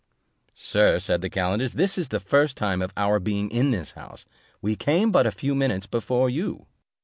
"Sir," said the calenders, "this is the first time of our being in the house; we came in but a few minutes before you."